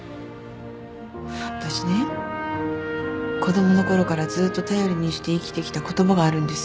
私ね子供のころからずっと頼りにして生きてきた言葉があるんです。